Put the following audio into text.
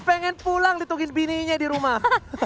pengen pulang ditungin bininya di rumah